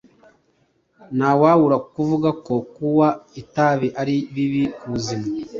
Ntawabura kuvuga ko kuwa itabi ari bibi kubuzima.